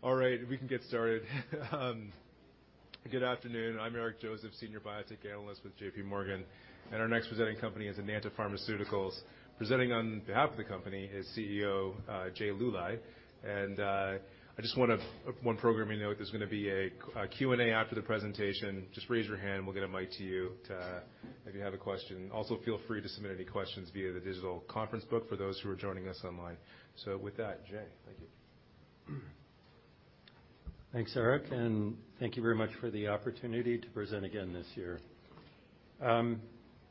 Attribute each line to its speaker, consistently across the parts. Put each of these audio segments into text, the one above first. Speaker 1: All right. We can get started. Good afternoon. I'm Eric Joseph, Senior Biotech Analyst with J.P. Morgan, and our next presenting company is Enanta Pharmaceuticals. Presenting on behalf of the company is CEO, Jay Luly. I just want to one program you note, there's gonna be a Q&A after the presentation. Just raise your hand, we'll get a mic to you if you have a question. Also feel free to submit any questions via the digital conference book for those who are joining us online. With that, Jay. Thank you.
Speaker 2: Thanks, Eric, thank you very much for the opportunity to present again this year.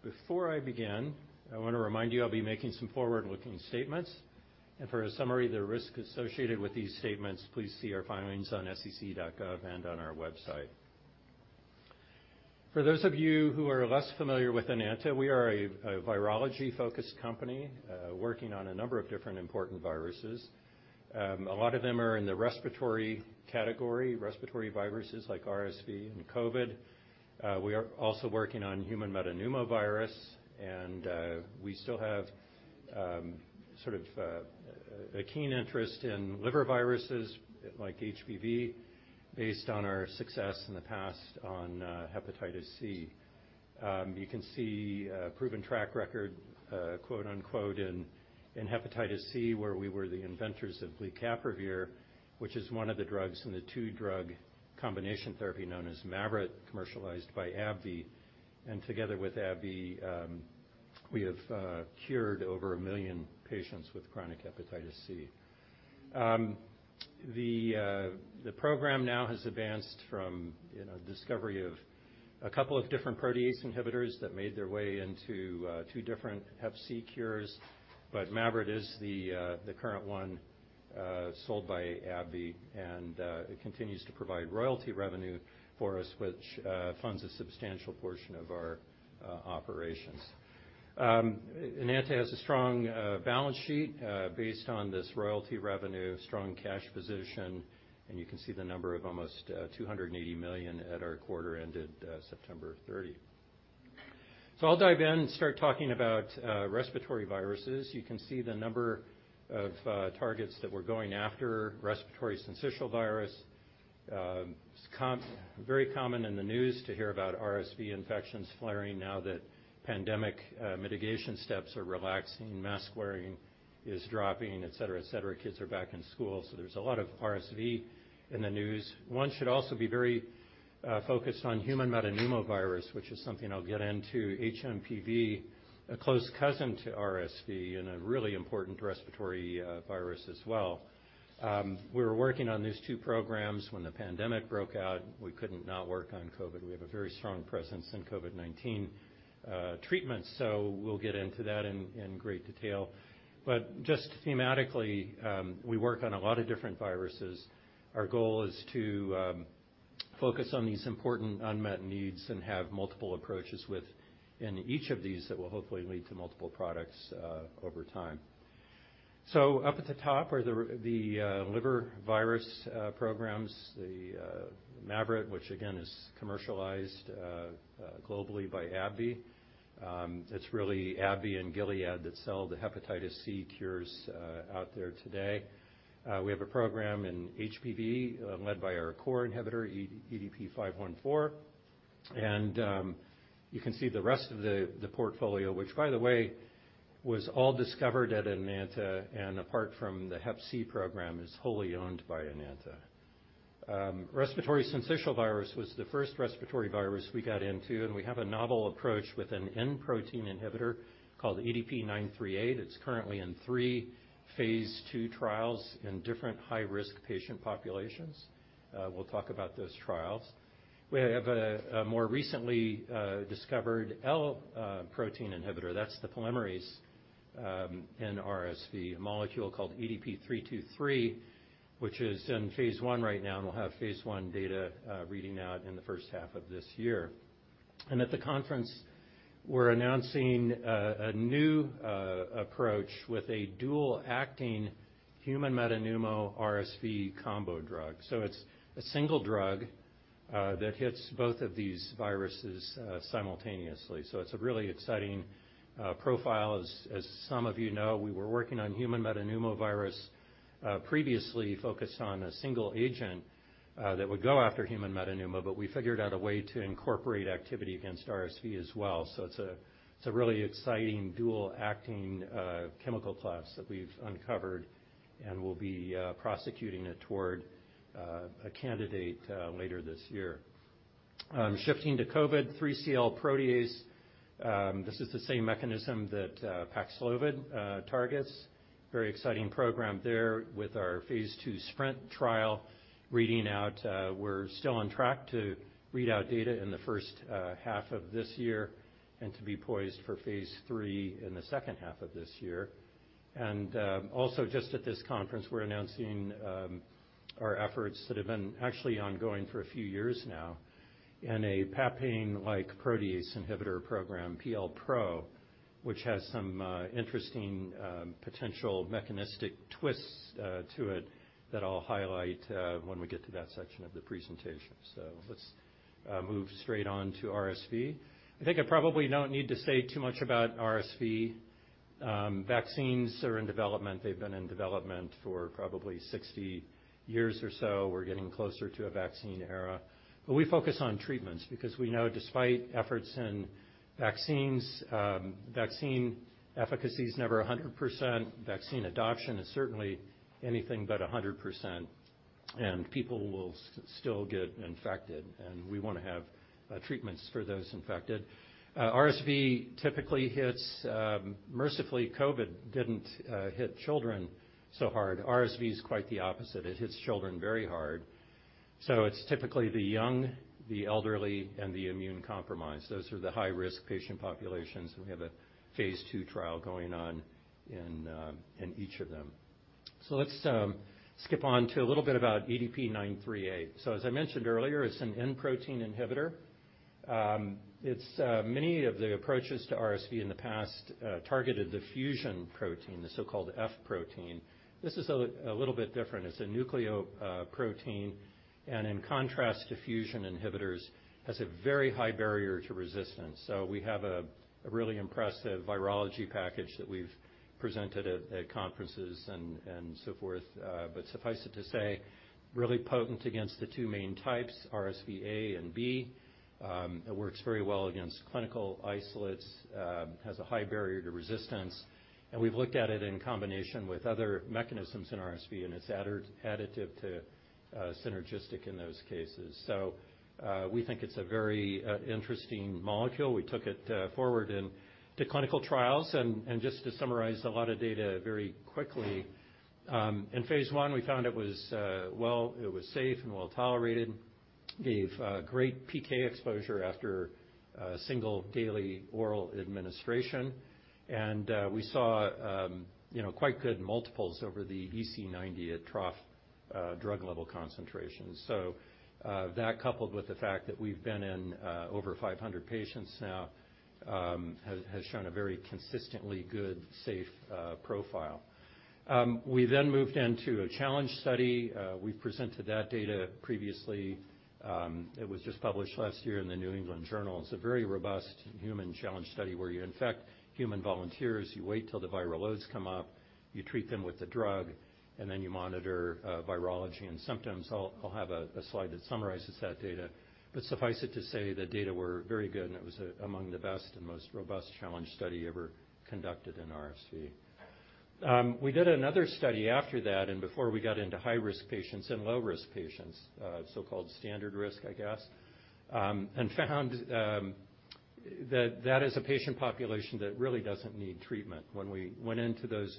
Speaker 2: Before I begin, I wanna remind you I'll be making some forward-looking statements. For a summary of the risk associated with these statements, please see our filings on sec.gov and on our website. For those of you who are less familiar with Enanta, we are a virology-focused company, working on a number of different important viruses. A lot of them are in the respiratory category, respiratory viruses like RSV and COVID. We are also working on human metapneumovirus, and we still have sort of a keen interest in liver viruses like HBV based on our success in the past on Hepatitis C. You can see a proven track record, quote-unquote, in Hepatitis C, where we were the inventors of glecaprevir, which is one of the drugs in the two-drug combination therapy known as MAVYRET, commercialized by AbbVie. Together with AbbVie, we have cured over 1 million patients with chronic Hepatitis C. The program now has advanced from, you know, discovery of a couple of different protease inhibitors that made their way into 2 different Hepatitis C cures. MAVYRET is the current one, sold by AbbVie, and it continues to provide royalty revenue for us, which funds a substantial portion of our operations. Enanta has a strong balance sheet, based on this royalty revenue, strong cash position, and you can see the number of almost $280 million at our quarter ended September 30. I'll dive in and start talking about respiratory viruses. You can see the number of targets that we're going after. Respiratory syncytial virus. It's very common in the news to hear about RSV infections flaring now that pandemic mitigation steps are relaxing, mask-wearing is dropping, et cetera, et cetera. Kids are back in school, there's a lot of RSV in the news. One should also be very focused on human metapneumovirus, which is something I'll get into. HMPV, a close cousin to RSV and a really important respiratory virus as well. We were working on these two programs when the pandemic broke out. We couldn't not work on COVID. We have a very strong presence in COVID-19 treatments, so we'll get into that in great detail. Just thematically, we work on a lot of different viruses. Our goal is to focus on these important unmet needs and have multiple approaches in each of these that will hopefully lead to multiple products over time. Up at the top are the liver virus programs. MAVYRET, which again is commercialized globally by AbbVie. It's really AbbVie and Gilead that sell the Hepatitis C cures out there today. We have a program in HBV led by our core inhibitor, EDP-514. You can see the rest of the portfolio, which by the way, was all discovered at Enanta and apart from the Hepatitis C program is wholly owned by Enanta. Respiratory Syncytial Virus was the first respiratory virus we got into, and we have a novel approach with an N-protein inhibitor called EDP-938. It's currently in three phase II trials in different high-risk patient populations. We'll talk about those trials. We have a more recently discovered L-protein inhibitor. That's the polymerase in RSV, a molecule called EDP-323, which is in phase I right now, and we'll have phase I data reading out in the first half of this year. At the conference, we're announcing a new approach with a dual-acting human metapneumo RSV combo drug. It's a single drug that hits both of these viruses simultaneously. It's a really exciting profile. As some of you know, we were working on human metapneumovirus previously focused on a single agent that would go after human metapneumo, but we figured out a way to incorporate activity against RSV as well. It's a really exciting dual-acting chemical class that we've uncovered and we'll be prosecuting it toward a candidate later this year. Shifting to COVID, 3CL protease. This is the same mechanism that Paxlovid targets. Very exciting program there with our phase II SPRINT trial reading out. We're still on track to read out data in the first half of this year and to be poised for phase III in the second half of this year. Also just at this conference, we're announcing our efforts that have been actually ongoing for a few years now in a papain-like protease inhibitor program, PLpro, which has some interesting potential mechanistic twists to it that I'll highlight when we get to that section of the presentation. Let's move straight on to RSV. I think I probably don't need to say too much about RSV. Vaccines are in development. They've been in development for probably 60 years or so. We're getting closer to a vaccine era. We focus on treatments because we know despite efforts in vaccines, vaccine efficacy is never 100%. Vaccine adoption is certainly anything but 100%, and people will still get infected, and we wanna have treatments for those infected. RSV typically hits. Mercifully, COVID didn't hit children so hard. RSV is quite the opposite. It hits children very hard. It's typically the young, the elderly, and the immune-compromised. Those are the high-risk patient populations, and we have a phase II trial going on in each of them. Let's skip on to a little bit about EDP-938. As I mentioned earlier, it's an N-protein inhibitor. Many of the approaches to RSV in the past targeted the fusion protein, the so-called F protein. This is a little bit different. It's a nucleoprotein, and in contrast to fusion inhibitors, has a very high barrier to resistance. We have a really impressive virology package that we've presented at conferences and so forth. Suffice it to say, really potent against the two main types, RSV A and B. It works very well against clinical isolates, has a high barrier to resistance, we've looked at it in combination with other mechanisms in RSV, and it's additive to synergistic in those cases. We think it's a very interesting molecule. We took it forward in to clinical trials. Just to summarize a lot of data very quickly, in phase I, we found it was safe and well-tolerated. Gave great PK exposure after single daily oral administration. We saw, you know, quite good multiples over the EC90 at trough drug level concentration. That coupled with the fact that we've been in 500 patients now, has shown a very consistently good, safe profile. We then moved into a challenge study. We presented that data previously. It was just published last year in the New England Journal. It's a very robust human challenge study where you infect human volunteers, you wait till the viral loads come up, you treat them with the drug, and then you monitor virology and symptoms. I'll have a slide that summarizes that data. Suffice it to say, the data were very good, and it was among the best and most robust challenge study ever conducted in RSV. We did another study after that and before we got into high-risk patients and low-risk patients, so-called standard risk, I guess, and found that that is a patient population that really doesn't need treatment. When we went into those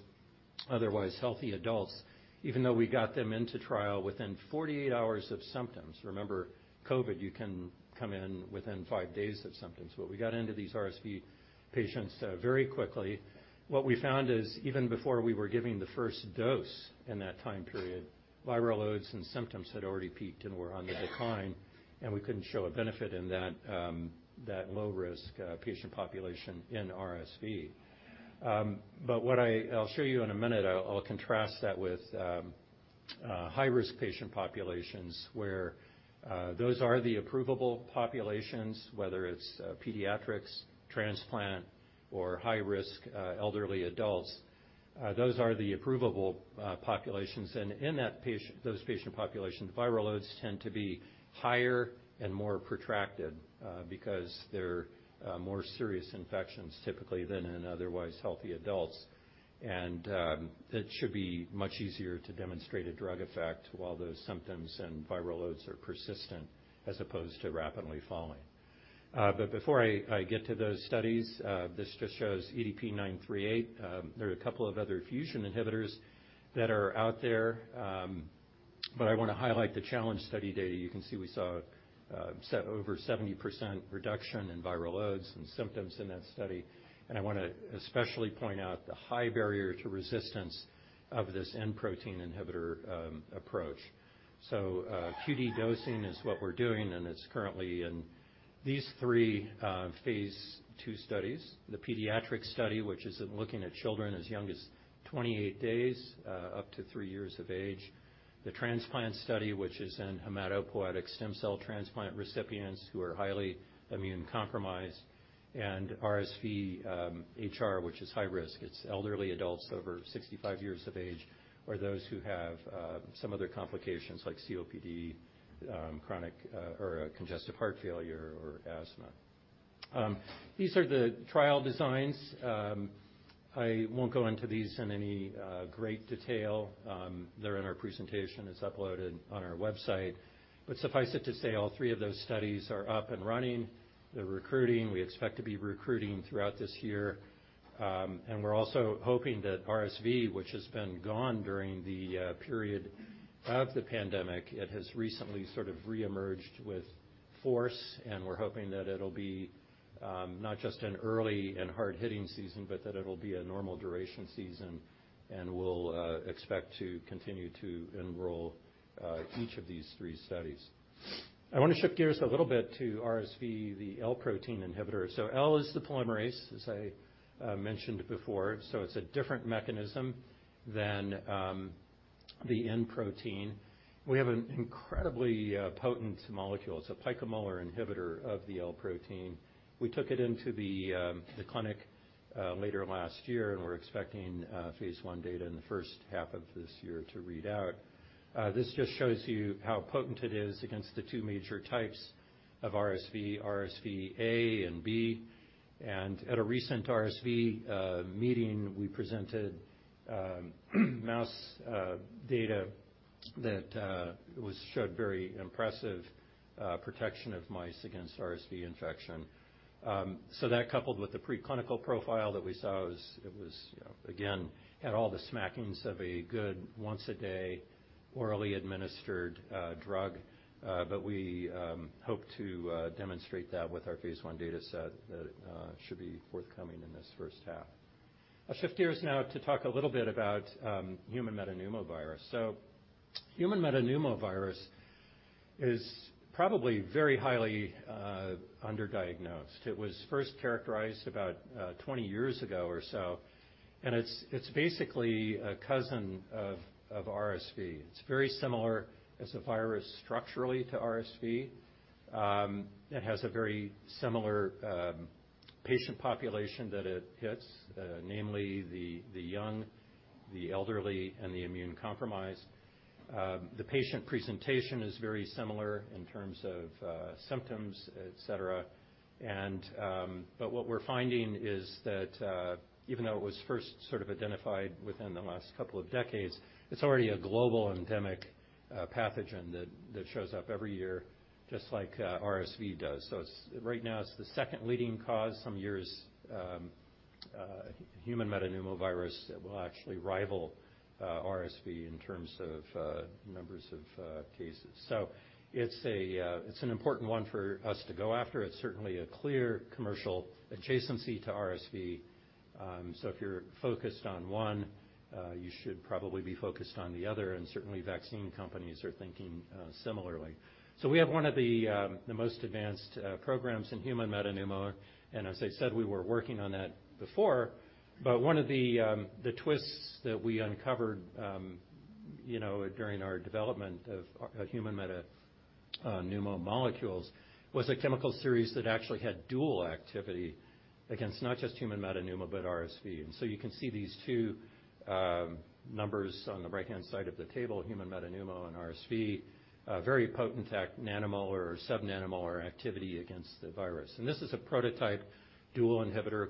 Speaker 2: otherwise healthy adults, even though we got them into trial within 48 hours of symptoms. Remember, COVID, you can come in within five days of symptoms. We got into these RSV patients very quickly. What we found is even before we were giving the first dose in that time period, viral loads and symptoms had already peaked and were on the decline, and we couldn't show a benefit in that low risk patient population in RSV. What I'll show you in one minute. I'll contrast that with high-risk patient populations, where those are the approvable populations, whether it's pediatrics, transplant, or high risk elderly adults. Those are the approvable populations. In those patient populations, viral loads tend to be higher and more protracted because they're more serious infections typically than in otherwise healthy adults. It should be much easier to demonstrate a drug effect while those symptoms and viral loads are persistent as opposed to rapidly falling. Before I get to those studies, this just shows EDP-938. There are a couple of other fusion inhibitors that are out there, I wanna highlight the challenge study data. You can see we saw over 70% reduction in viral loads and symptoms in that study. I wanna especially point out the high barrier to resistance of this N-protein inhibitor approach. QD dosing is what we're doing, and it's currently in these three phase II studies. The pediatric study, which is in looking at children as young as 28 days, up to three years of age. The transplant study, which is in hematopoietic stem cell transplant recipients who are highly immunocompromised. RSV HR, which is high risk. It's elderly adults over 65 years of age or those who have some other complications like COPD, chronic, or congestive heart failure or asthma. These are the trial designs. I won't go into these in any great detail. They're in our presentation. It's uploaded on our website. Suffice it to say, all three of those studies are up and running. They're recruiting. We expect to be recruiting throughout this year. We're also hoping that RSV, which has been gone during the period of the pandemic, it has recently sort of reemerged with force, and we're hoping that it'll be not just an early and hard-hitting season, but that it'll be a normal duration season, and we'll expect to continue to enroll each of these three studies. I wanna shift gears a little bit to RSV, the L-protein inhibitor. L is the polymerase, as I mentioned before, so it's a different mechanism than the N-protein. We have an incredibly potent molecule. It's a picomolar inhibitor of the L-protein. We took it into the clinic later last year, and we're expecting phase I data in the first half of this year to read out. This just shows you how potent it is against the two major types of RSV A and B. At a recent RSV meeting, we presented mouse data that was showed very impressive protection of mice against RSV infection. That coupled with the preclinical profile that we saw, it was, you know, again, had all the smackings of a good once-a-day orally administered drug. We hope to demonstrate that with our phase I data set that should be forthcoming in this first half. I'll shift gears now to talk a little bit about Human metapneumovirus. Human metapneumovirus is probably very highly underdiagnosed. It was first characterized about 20 years ago or so, it's basically a cousin of RSV. It's very similar as a virus structurally to RSV. It has a very similar patient population that it hits, namely the young, the elderly, and the immunocompromised. The patient presentation is very similar in terms of symptoms, et cetera. What we're finding is that even though it was first sort of identified within the last couple of decades, it's already a global endemic pathogen that shows up every year just like RSV does. Right now it's the second leading cause. Some years, Human metapneumovirus will actually rival RSV in terms of numbers of cases. It's an important one for us to go after. It's certainly a clear commercial adjacency to RSV. If you're focused on one, you should probably be focused on the other, and certainly vaccine companies are thinking similarly. We have one of the most advanced programs in hMPV, and as I said, we were working on that before. One of the twists that we uncovered, you know, during our development of hMPV molecules was a chemical series that actually had dual activity against not just hMPV but RSV. You can see these two numbers on the right-hand side of the table, hMPV and RSV, very potent at nanomolar or subnanomolar activity against the virus. This is a prototype dual inhibitor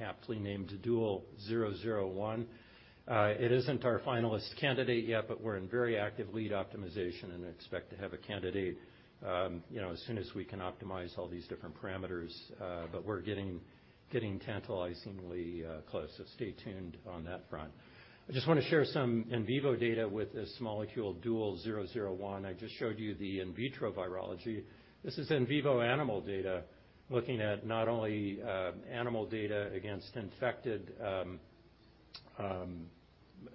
Speaker 2: aptly named DUL001. It isn't our finalist candidate yet, but we're in very active lead optimization and expect to have a candidate, you know, as soon as we can optimize all these different parameters. But we're getting tantalizingly close. Stay tuned on that front. I just wanna share some in vivo data with this molecule DUL001. I just showed you the in vitro virology. This is in vivo animal data looking at not only animal data against infected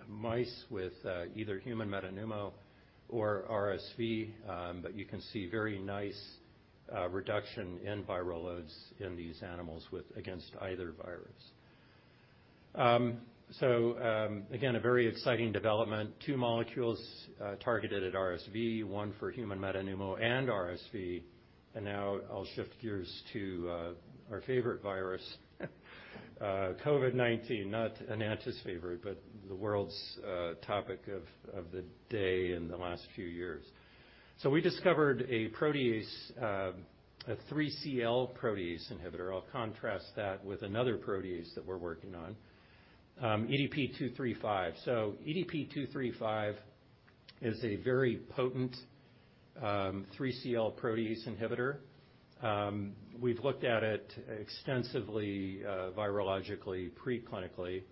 Speaker 2: mice with either human metapneumo or RSV, but you can see very nice reduction in viral loads in these animals with against either virus. Again, a very exciting development. Two molecules targeted at RSV, one for human metapneumo and RSV. Now I'll shift gears to our favorite virus, COVID-19, not Enanta's favorite, but the world's topic of the day in the last few years. We discovered a protease, a 3CL protease inhibitor. I'll contrast that with another protease that we're working on, EDP-235. EDP-235 is a very potent 3CL protease inhibitor. We've looked at it extensively virologically, preclinically.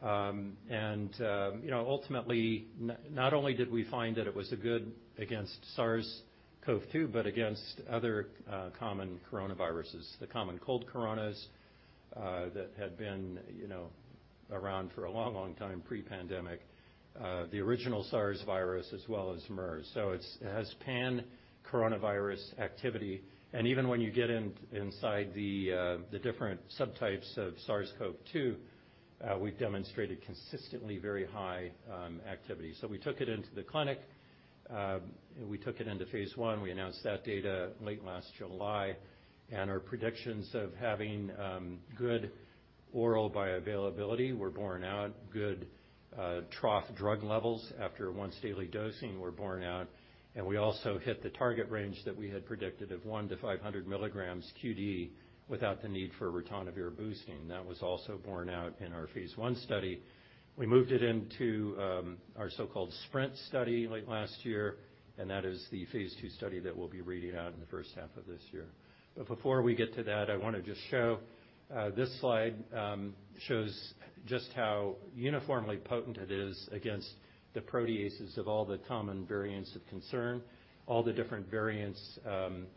Speaker 2: You know, ultimately, not only did we find that it was a good against SARS-CoV-2 but against other common coronaviruses, the common cold coronas that had been, you know, around for a long, long time pre-pandemic, the original SARS virus as well as MERS. It's, it has pan-coronavirus activity, and even when you get inside the different subtypes of SARS-CoV-2, we've demonstrated consistently very high activity. We took it into the clinic. We took it into phase I. We announced that data late last July. Our predictions of having good oral bioavailability were borne out. Good trough drug levels after once-daily dosing were borne out. We also hit the target range that we had predicted of 1-500 mg QD without the need for ritonavir boosting. That was also borne out in our phase I study. We moved it into our so-called SPRINT study late last year, and that is the phase II study that we'll be reading out in the first half of this year. Before we get to that, I wanna just show this slide shows just how uniformly potent it is against the proteases of all the common variants of concern, all the different variants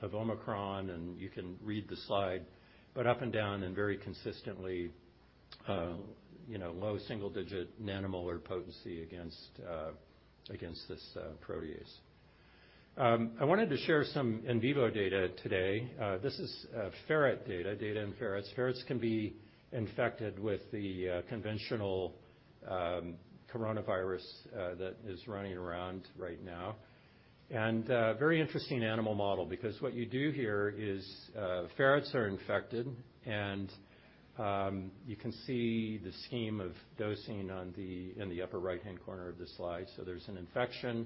Speaker 2: of Omicron, and you can read the slide. Up and down and very consistently, you know, low single-digit nanomolar potency against against this protease. I wanted to share some in vivo data today. This is ferret data in ferrets. Ferrets can be infected with the conventional coronavirus that is running around right now. Very interesting animal model, because what you do here is ferrets are infected, you can see the scheme of dosing on the, in the upper right-hand corner of the slide. There's an infection,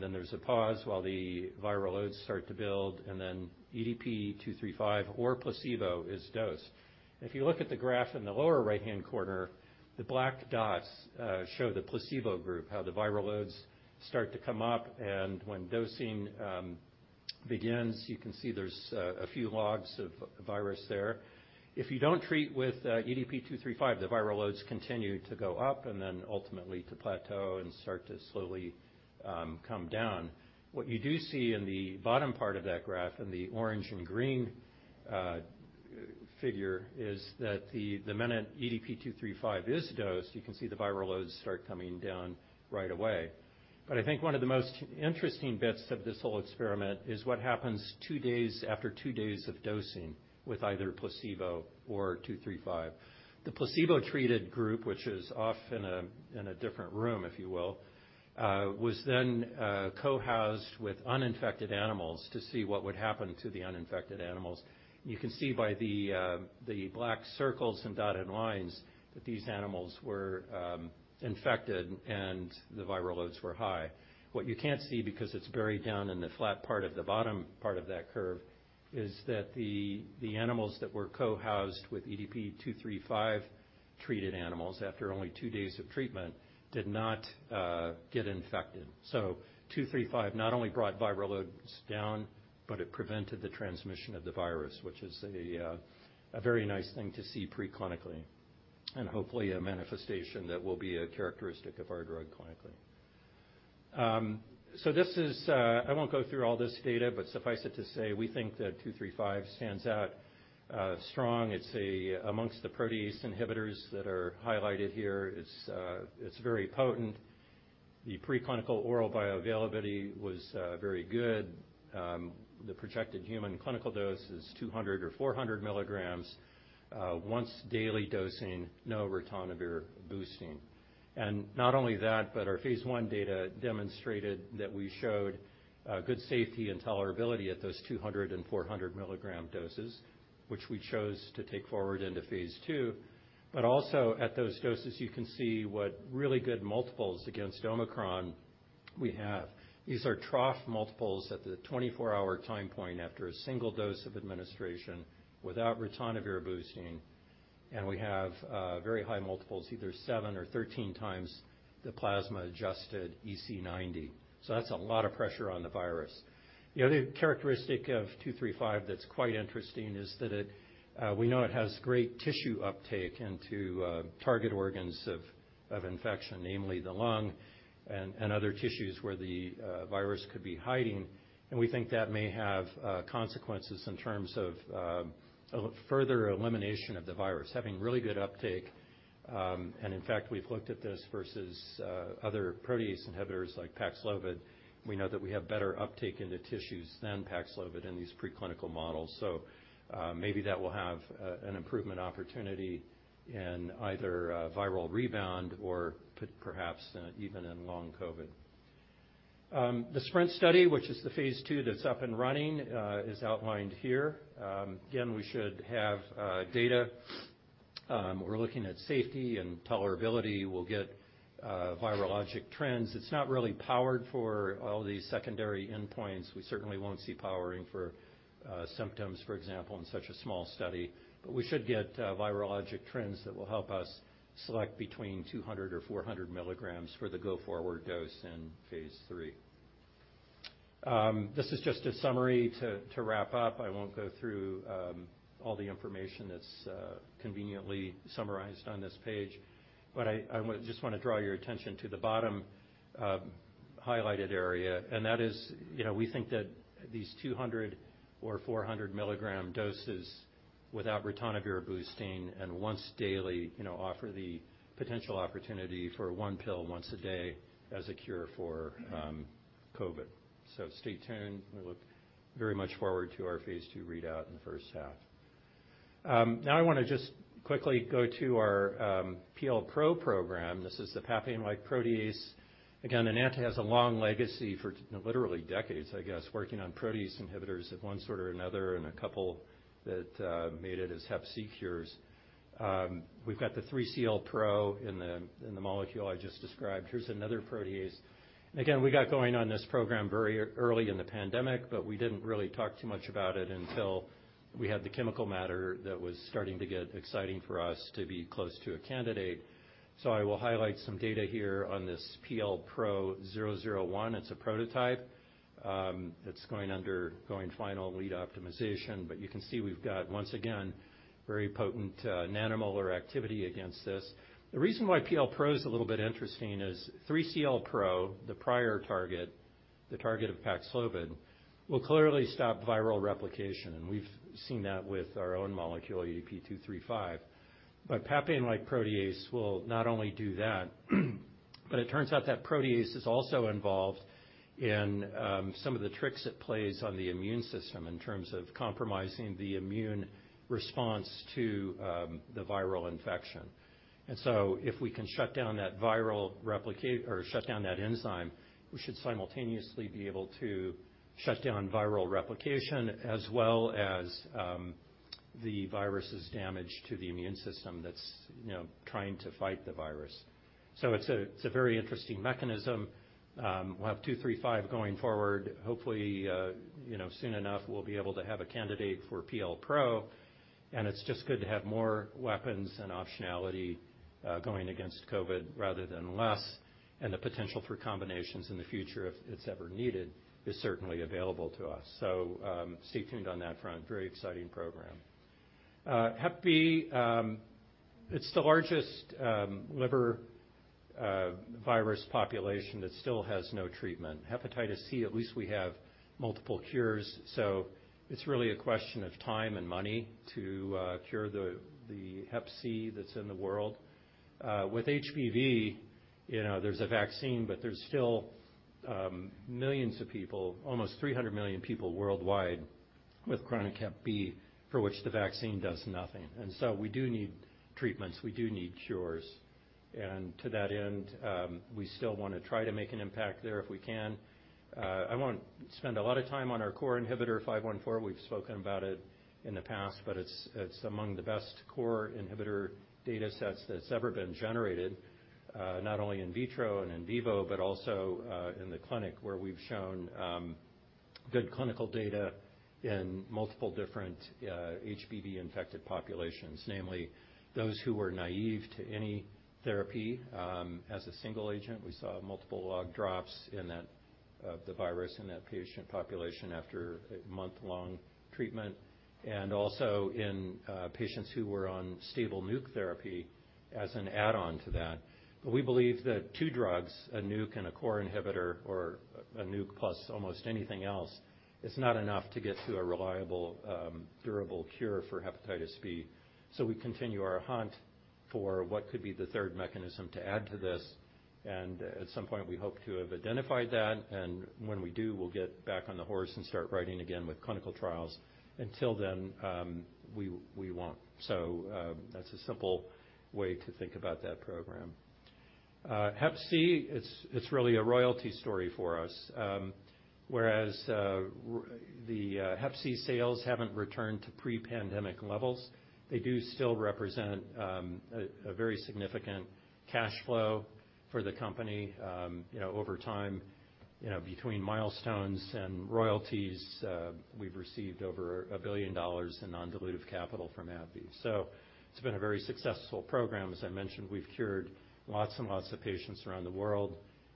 Speaker 2: then there's a pause while the viral loads start to build, and then EDP-235 or placebo is dosed. If you look at the graph in the lower right-hand corner, the black dots show the placebo group, how the viral loads start to come up, and when dosing begins, you can see there's a few logs of virus there. If you don't treat with EDP-235, the viral loads continue to go up and then ultimately to plateau and start to slowly come down. What you do see in the bottom part of that graph, in the orange and green figure, is that the minute EDP-235 is dosed, you can see the viral loads start coming down right away. I think one of the most interesting bits of this whole experiment is what happens two days, after two days of dosing with either placebo or 235. The placebo-treated group, which is off in a different room, if you will, was then co-housed with uninfected animals to see what would happen to the uninfected animals. You can see by the black circles and dotted lines that these animals were infected and the viral loads were high. What you can't see because it's buried down in the flat part of the bottom part of that curve is that the animals that were co-housed with EDP-235-treated animals after only two days of treatment did not get infected. 235 not only brought viral loads down, but it prevented the transmission of the virus, which is a very nice thing to see pre-clinically, and hopefully a manifestation that will be a characteristic of our drug clinically. This is, I won't go through all this data, but suffice it to say, we think that 235 stands out strong. Amongst the protease inhibitors that are highlighted here, it's very potent. The preclinical oral bioavailability was very good. The projected human clinical dose is 200 or 400 milligrams, once daily dosing, no ritonavir boosting. Not only that, our phase I data demonstrated that we showed good safety and tolerability at those 200 and 400 milligram doses, which we chose to take forward into phase II. Also at those doses, you can see what really good multiples against Omicron we have. These are trough multiples at the 24-hour time point after a single dose of administration without ritonavir boosting. We have very high multiples, either seven or 13 times the plasma-adjusted EC90. That's a lot of pressure on the virus. The other characteristic of 235 that's quite interesting is that it, we know it has great tissue uptake into target organs of infection, namely the lung and other tissues where the virus could be hiding. We think that may have consequences in terms of a further elimination of the virus. Having really good uptake, and in fact, we've looked at this versus other protease inhibitors like Paxlovid. We know that we have better uptake into tissues than Paxlovid in these preclinical models. Maybe that will have an improvement opportunity in either viral rebound or perhaps even in long COVID. The SPRINT study, which is the phase II that's up and running, is outlined here. Again, we should have data. We're looking at safety and tolerability. We'll get virologic trends. It's not really powered for all these secondary endpoints. We certainly won't see powering for symptoms, for example, in such a small study. We should get virologic trends that will help us select between 200 or 400 milligrams for the go-forward dose in phase III. This is just a summary to wrap up. I won't go through all the information that's conveniently summarized on this page. I just want to draw your attention to the bottom highlighted area, and that is, you know, we think that these 200 or 400 milligram doses without ritonavir boosting and once daily, you know, offer the potential opportunity for one pill once a day as a cure for COVID. Stay tuned. We look very much forward to our phase II readout in the first half. I wanna just quickly go to our PLpro program. This is the papain-like protease. Again, Enanta has a long legacy for literally decades, I guess, working on protease inhibitors of one sort or another, and a couple that made it as Hepatitis C cures. We've got the 3CLpro in the, in the molecule I just described. Here's another protease. Again, we got going on this program very early in the pandemic, but we didn't really talk too much about it until we had the chemical matter that was starting to get exciting for us to be close to a candidate. I will highlight some data here on this PLpro 001. It's a prototype. It's going under going final lead optimization, but you can see we've got, once again, very potent, nanomolar activity against this. The reason why PLpro is a little bit interesting is 3CLpro, the prior target, the target of Paxlovid, will clearly stop viral replication. We've seen that with our own molecule, EDP-235. papain-like protease will not only do that. It turns out that protease is also involved in some of the tricks it plays on the immune system in terms of compromising the immune response to the viral infection. If we can shut down that enzyme, we should simultaneously be able to shut down viral replication as well as the virus's damage to the immune system that's, you know, trying to fight the virus. It's a very interesting mechanism. We'll have EDP-235 going forward. Hopefully, you know, soon enough, we'll be able to have a candidate for PLpro. It's just good to have more weapons and optionality going against COVID rather than less. The potential for combinations in the future, if it's ever needed, is certainly available to us. Stay tuned on that front. Very exciting program. HBV, it's the largest liver virus population that still has no treatment. Hepatitis C, at least we have multiple cures. It's really a question of time and money to cure the Hepatitis C that's in the world. With HBV, you know, there's a vaccine, but there's still millions of people, almost 300 million people worldwide with chronic HBV for which the vaccine does nothing. We do need treatments, we do need cures. To that end, we still wanna try to make an impact there if we can. I won't spend a lot of time on our Core inhibitor EDP-514. We've spoken about it in the past, but it's among the best Core inhibitor datasets that's ever been generated, not only in vitro and in vivo, but also in the clinic where we've shown good clinical data in multiple different HBV-infected populations. Namely, those who were naive to any therapy, as a single agent, we saw multiple log drops in that, of the virus in that patient population after a month-long treatment. Also in patients who were on stable NUC therapy as an add-on to that. We believe that two drugs, a NUC and a Core inhibitor or a NUC plus almost anything else, is not enough to get to a reliable, durable cure for Hepatitis B. We continue our hunt for what could be the third mechanism to add to this. At some point, we hope to have identified that, and when we do, we'll get back on the horse and start riding again with clinical trials. Until then, we won't. That's a simple way to think about that program. Hepatitis C, it's really a royalty story for us. Whereas, Hepatitis C sales haven't returned to pre-pandemic levels, they do still represent a very significant cash flow for the company. Over time, between milestones and royalties, we've received over $1 billion in non-dilutive capital from AbbVie. It's been a very successful program. As I mentioned, we've cured lots and lots of patients around the world,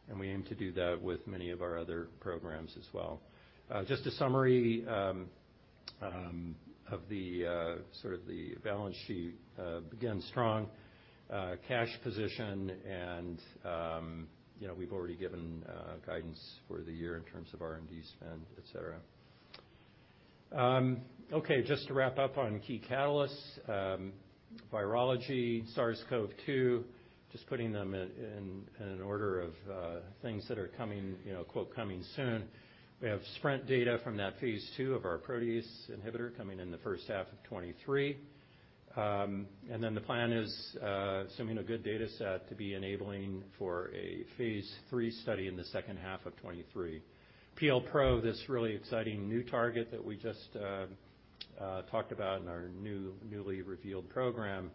Speaker 2: and we aim to do that with many of our other programs as well. Just a summary of the sort of the balance sheet. Again, strong cash position and we've already given guidance for the year in terms of R&D spend, et cetera. Okay, just to wrap up on key catalysts. Virology, SARS-CoV-2, just putting them in an order of things that are coming, quote, "coming soon." We have SPRINT data from that phase II of our protease inhibitor coming in the first half of 2023. The plan is, assuming a good data set to be enabling for a phase III study in the second half of 2023. PLpro, this really exciting new target that we just talked about in our new, newly revealed program,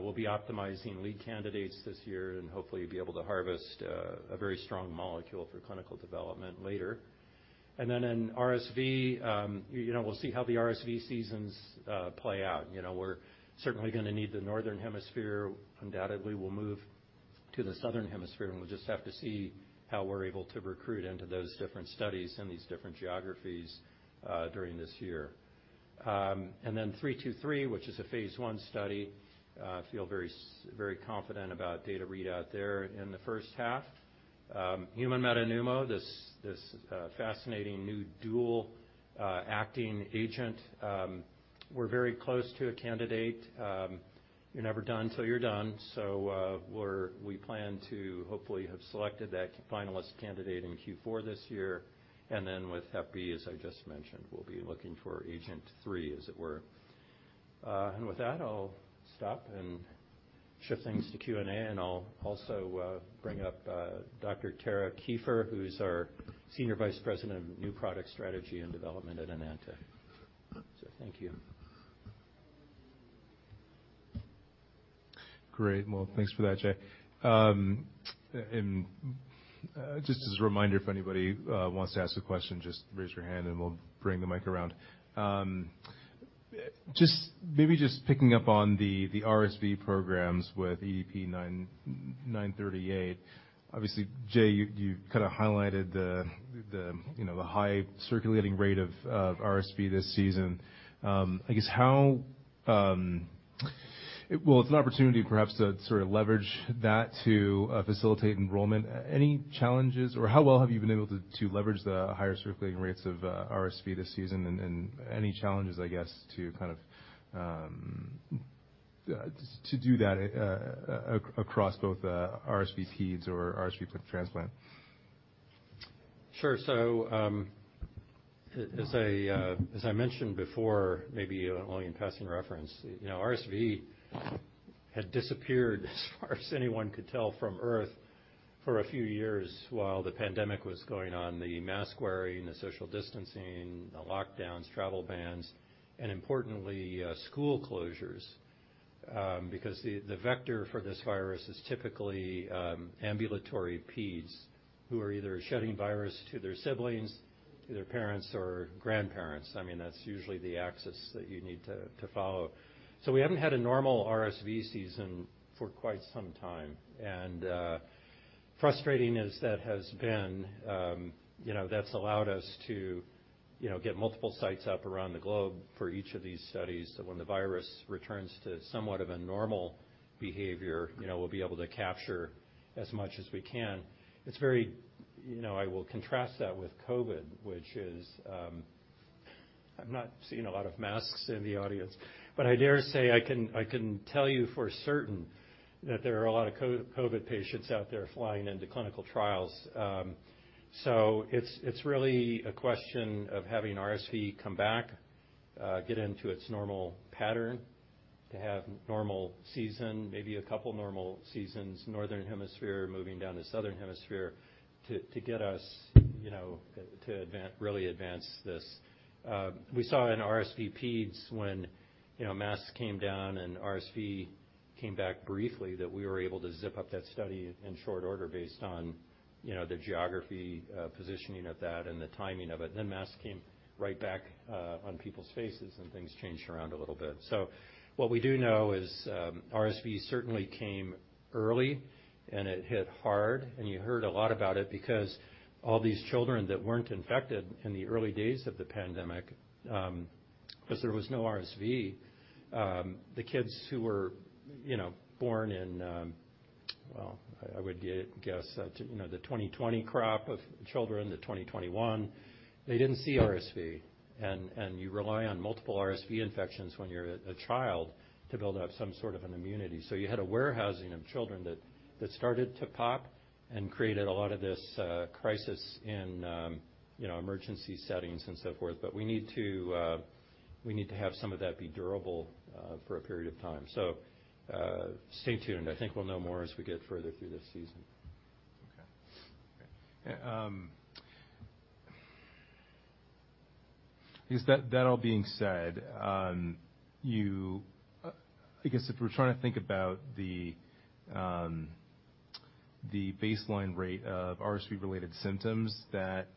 Speaker 2: we'll be optimizing lead candidates this year and hopefully be able to harvest a very strong molecule for clinical development later. In RSV, you know, we'll see how the RSV seasons play out. You know, we're certainly gonna need the Northern Hemisphere. Undoubtedly, we'll move to the Southern Hemisphere, and we'll just have to see how we're able to recruit into those different studies in these different geographies during this year. EDP-323, which is a phase I study, feel very confident about data readout there in the first half. Human metapneumovirus, this fascinating new dual acting agent, we're very close to a candidate. You're never done till you're done. We plan to hopefully have selected that finalist candidate in Q4 this year. With Hepatitis B, as I just mentioned, we'll be looking for agent 3, as it were. With that, I'll stop and shift things to Q&A, I'll also bring up Dr. Tara Kieffer, who's our senior vice president of New Product Strategy and Development at Enanta. Thank you.
Speaker 1: Great. Well, thanks for that, Jay. Just as a reminder, if anybody wants to ask a question, just raise your hand, and we'll bring the mic around. Just, maybe just picking up on the RSV programs with EDP-938. Obviously, Jay, you kind of highlighted the, you know, the high circulating rate of RSV this season. I guess how, well, it's an opportunity perhaps to sort of leverage that to facilitate enrollment. Any challenges or how well have you been able to leverage the higher circulating rates of RSV this season and any challenges, I guess, to kind of, to do that across both RSV peds or RSV transplant.
Speaker 2: As I mentioned before, maybe only in passing reference, you know, RSV had disappeared as far as anyone could tell from Earth for a few years while the pandemic was going on, the mask wearing, the social distancing, the lockdowns, travel bans, and importantly, school closures. Because the vector for this virus is typically ambulatory peds who are either shedding virus to their siblings, to their parents or grandparents. I mean, that's usually the axis that you need to follow. We haven't had a normal RSV season for quite some time. Frustrating as that has been, you know, that's allowed us to, you know, get multiple sites up around the globe for each of these studies. When the virus returns to somewhat of a normal behavior, you know, we'll be able to capture as much as we can. You know, I will contrast that with COVID, which is, I've not seen a lot of masks in the audience, but I dare say I can tell you for certain that there are a lot of COVID patients out there flying into clinical trials. It's really a question of having RSV come back, get into its normal pattern to have normal season, maybe a couple normal seasons, Northern Hemisphere moving down to Southern Hemisphere, to get us, you know, really advance this. We saw in RSV peds when, you know, masks came down and RSV came back briefly, that we were able to zip up that study in short order based on, you know, the geography, positioning of that and the timing of it. Masks came right back on people's faces, and things changed around a little bit. What we do know is, RSV certainly came early, and it hit hard. You heard a lot about it because all these children that weren't infected in the early days of the pandemic, 'cause there was no RSV, the kids who were, you know, born in, well, I would guess, you know, the 2020 crop of children, the 2021, they didn't see RSV. You rely on multiple RSV infections when you're a child to build up some sort of an immunity. You had a warehousing of children that started to pop and created a lot of this, you know, crisis in emergency settings and so forth. We need to, we need to have some of that be durable for a period of time. Stay tuned. I think we'll know more as we get further through this season.
Speaker 1: Okay. Great. That all being said, I guess if we're trying to think about the baseline rate of RSV-related symptoms that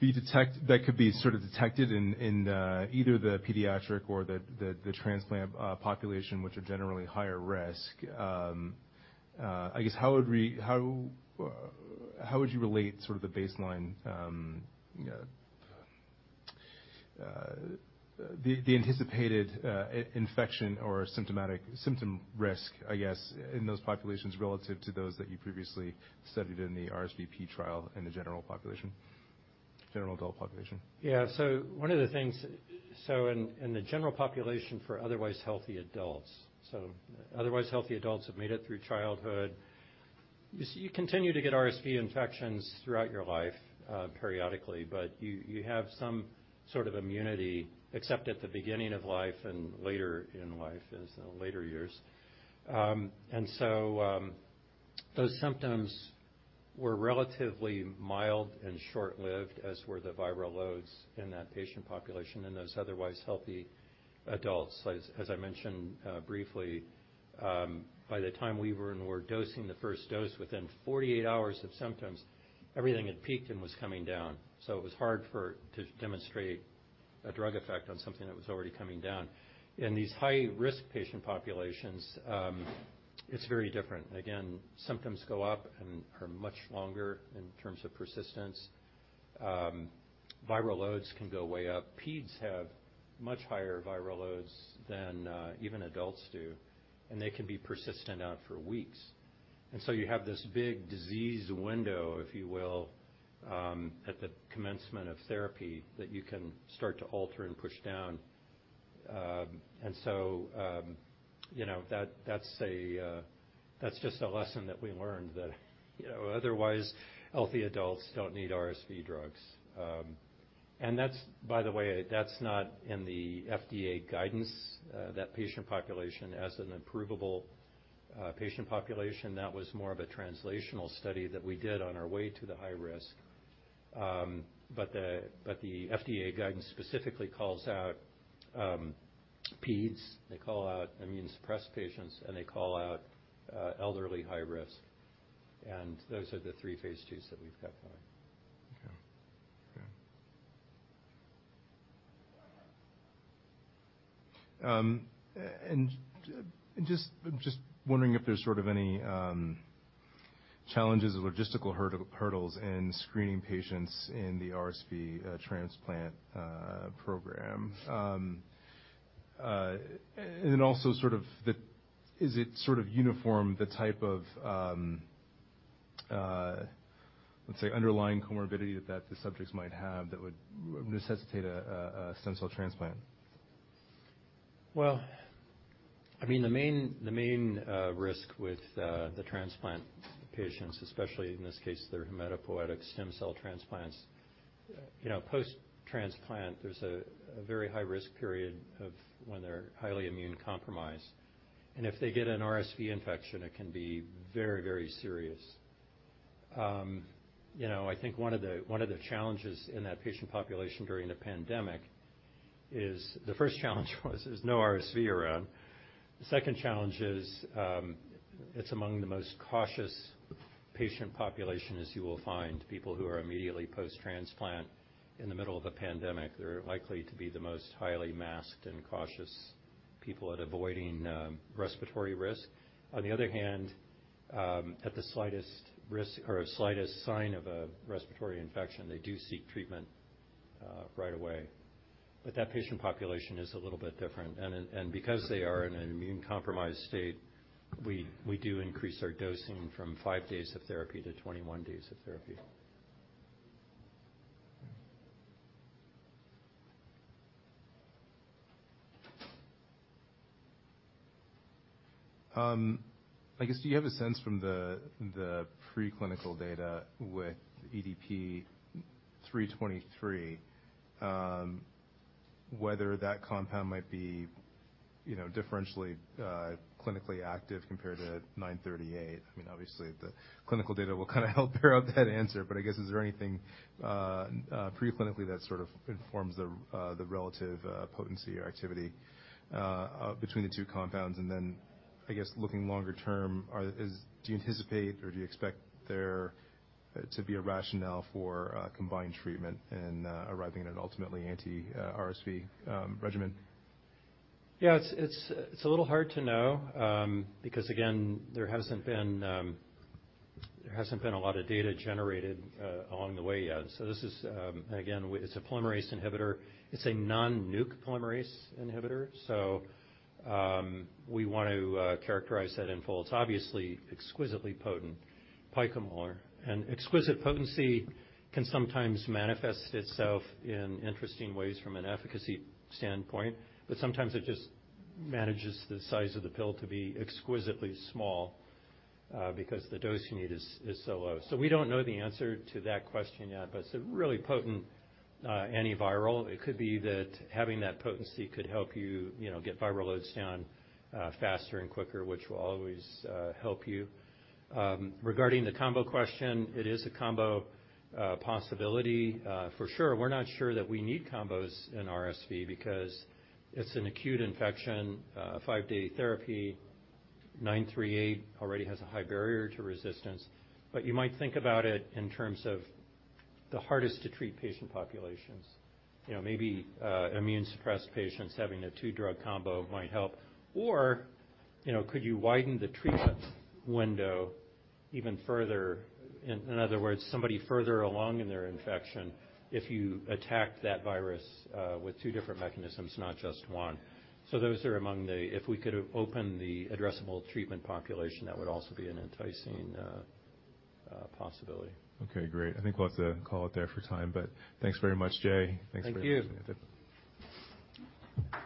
Speaker 1: could be sort of detected in either the pediatric or the transplant population, which are generally higher risk. I guess how would you relate sort of the baseline the anticipated in-infection or symptomatic symptom risk, I guess, in those populations relative to those that you previously studied in the RSV trial in the general population, general adult population?
Speaker 2: One of the things... In the general population for otherwise healthy adults. Otherwise healthy adults have made it through childhood. You see, you continue to get RSV infections throughout your life, periodically, but you have some sort of immunity, except at the beginning of life and later in life, as in later years. Those symptoms were relatively mild and short-lived, as were the viral loads in that patient population, in those otherwise healthy adults. As I mentioned briefly, by the time we're dosing the first dose within 48 hours of symptoms, everything had peaked and was coming down. It was hard to demonstrate a drug effect on something that was already coming down. In these high-risk patient populations, it's very different. Again, symptoms go up and are much longer in terms of persistence. Viral loads can go way up. Peds have much higher viral loads than even adults do, and they can be persistent out for weeks. You have this big disease window, if you will, at the commencement of therapy that you can start to alter and push down. You know, that's a, that's just a lesson that we learned that, you know, otherwise healthy adults don't need RSV drugs. That's... By the way, that's not in the FDA guidance, that patient population as an approvable, patient population. That was more of a translational study that we did on our way to the high risk. The FDA guidance specifically calls out, peds, they call out immunosuppressed patients, and they call out, elderly high risk. Those are the three phase II that we've got going.
Speaker 1: Okay. Okay. Just, I'm just wondering if there's sort of any challenges or logistical hurdles in screening patients in the RSV transplant program. Also sort of the... Is it sort of uniform, the type of, let's say underlying comorbidity that the subjects might have that would necessitate a stem cell transplant.
Speaker 2: Well, I mean, the main risk with the transplant patients, especially in this case, they're hematopoietic stem cell transplants. You know, post-transplant, there's a very high-risk period of when they're highly immune compromised. If they get an RSV infection, it can be very serious. You know, I think one of the challenges in that patient population during the pandemic is, the first challenge was, no RSV around. The second challenge is, it's among the most cautious patient population as you will find people who are immediately post-transplant in the middle of a pandemic. They're likely to be the most highly masked and cautious people at avoiding respiratory risk. On the other hand, at the slightest risk or slightest sign of a respiratory infection, they do seek treatment right away. That patient population is a little bit different. Because they are in an immune-compromised state, we do increase our dosing from five days of therapy to 21 days of therapy.
Speaker 1: I guess, do you have a sense from the preclinical data with EDP-323, whether that compound might be, you know, differentially, clinically active compared to EDP-938? I mean, obviously the clinical data will kind of help bear out that answer. I guess, is there anything preclinically that sort of informs the relative potency or activity between the two compounds? I guess, looking longer term, is, do you anticipate or do you expect there to be a rationale for combined treatment and arriving at an ultimately anti-RSV regimen?
Speaker 2: Yeah. It's a little hard to know, because again, there hasn't been, there hasn't been a lot of data generated along the way yet. This is again, it's a polymerase inhibitor. It's a non-nucleoside polymerase inhibitor. We want to characterize that in full. It's obviously exquisitely potent, picomolar. Exquisite potency can sometimes manifest itself in interesting ways from an efficacy standpoint, but sometimes it just manages the size of the pill to be exquisitely small, because the dose you need is so low. We don't know the answer to that question yet, but it's a really potent antiviral. It could be that having that potency could help you know, get viral loads down faster and quicker, which will always help you. Regarding the combo question, it is a combo possibility for sure. We're not sure that we need combos in RSV because it's an acute infection, a five-day therapy. 938 already has a high barrier to resistance. You might think about it in terms of the hardest to treat patient populations. You know, maybe, immune-suppressed patients having a two-drug combo might help. You know, could you widen the treatment window even further? In other words, somebody further along in their infection, if you attack that virus with two different mechanisms, not just one. Those are among the. If we could open the addressable treatment population, that would also be an enticing possibility.
Speaker 1: Okay, great. I think we'll have to call it there for time, but thanks very much, Jay. Thanks for joining us.
Speaker 2: Thank you.